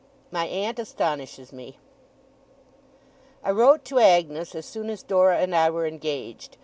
MY AUNT ASTONISHES ME I wrote to Agnes as soon as Dora and I were engaged.